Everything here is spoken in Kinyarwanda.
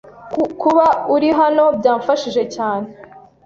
Kuba uri hano byamfashije cyane.